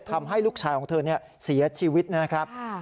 ทำให้ลูกชายของเธอเสียชีวิตนะครับ